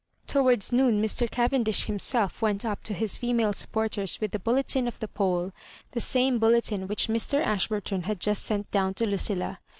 Towards noon Mr. Cavendish himself went up to his female supporters with the bulletin of the poll — ^the same bulletin which Mr. Ashburton had just sent down to Ludlla.